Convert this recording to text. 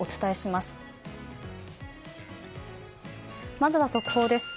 まずは速報です。